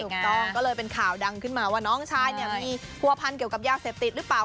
ถูกต้องก็เลยเป็นข่าวดังขึ้นมาว่าน้องชายเนี่ยมีผัวพันเกี่ยวกับยาเสพติดหรือเปล่า